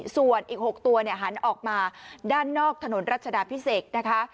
ส่วนอีก๖ตัวหันออกมาด้านนอกถนนรัชดาพิเศษนะคะ